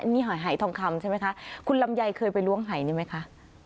นี่หอยหายทองคำใช่ไหมคะคุณลำไยเคยไปล้วงหายนี่ไหมคะ